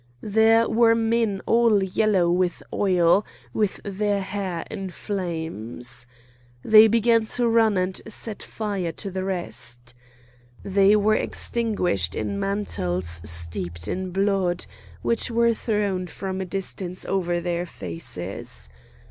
There were men all yellow with oil, with their hair in flames. They began to run and set fire to the rest. They were extinguished in mantles steeped in blood, which were thrown from a distance over their faces.